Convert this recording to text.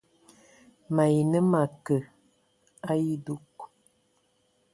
Mayi nə ma kə a edug.